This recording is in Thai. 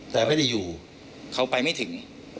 แต่ไม่ได้อยู่เขาไปไม่ถึง